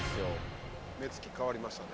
目つき変わりましたね。